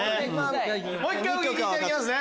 もう一回お聴きいただきますね。